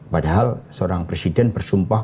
padahal seorang presiden bersumpah